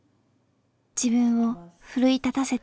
自分を奮い立たせた。